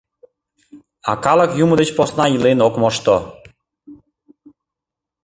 А калык Юмо деч посна илен ок мошто.